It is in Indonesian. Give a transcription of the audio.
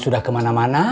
acil jangan kemana mana